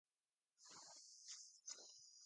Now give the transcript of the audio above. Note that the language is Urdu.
بہت سچا بنتا ھے دوسروں کے لئے